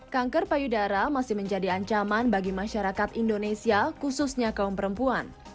kanker payudara masih menjadi ancaman bagi masyarakat indonesia khususnya kaum perempuan